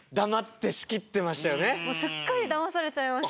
すっかりだまされちゃいました。